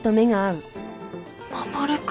守君。